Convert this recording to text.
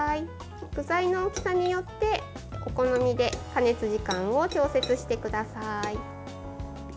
具材の大きさによって、お好みで加熱時間を調節してください。